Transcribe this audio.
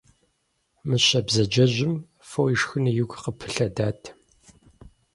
Мыщэ бзаджэжьым фо ишхыну игу къыпылъэдат.